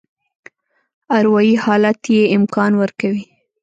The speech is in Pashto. اروایي حالت یې امکان ورکوي.